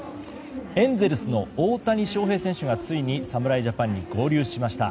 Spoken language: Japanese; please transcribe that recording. エンゼルスの大谷翔平選手がついに侍ジャパンに合流しました。